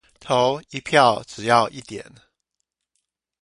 投一票只要一點